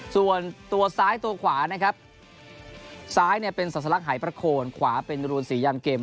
ส่วนตัวซ้ายตัวขวานะครับซ้ายเนี่ยเป็นศาสลักหายประโคนขวาเป็นรูนศรียันเกม